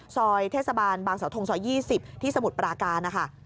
ซอยเทศบาลบางสาวทงซอย๒๐ที่สมุทรปราการนะคะ